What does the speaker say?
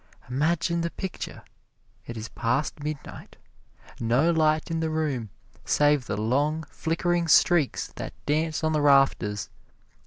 Imagine the picture it is past midnight. No light in the room save the long, flickering streaks that dance on the rafters.